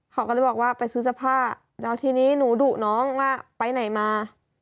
เขาก็เลยบอกว่าไปซื้อเสื้อผ้าแล้วทีนี้หนูดุน้องว่าไปไหนมา